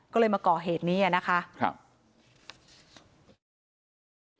ก็เลยมาก่อเหตุนี้อ่ะนะคะครับ